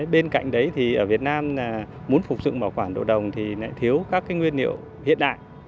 bên cạnh đấy thì ở việt nam muốn phục dựng bảo quản đồ đồng thì lại thiếu các nguyên liệu hiện đại